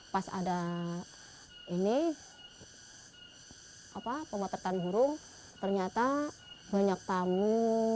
pas ada ini pemotretan burung ternyata banyak tamu